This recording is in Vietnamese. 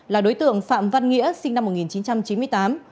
là đối tượng phạm văn nghĩa sinh năm một nghìn chín trăm chín mươi tám